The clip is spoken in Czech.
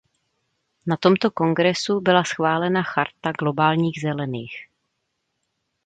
Na tomto kongresu byla schválena Charta globálních zelených.